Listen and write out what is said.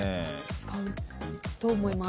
使うと思います。